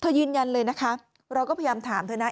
ยืนยันเลยนะคะเราก็พยายามถามเธอนะ